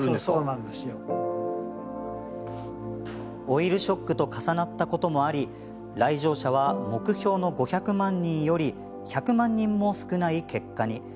オイルショックと重なったこともあり来場者は目標の５００万人より１００万人も少ない結果に。